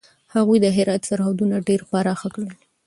هغوی د هرات سرحدونه ډېر پراخه کړل.